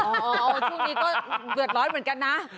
ช่วงนี้ก็เบือดร้อยเหมือนกันนะ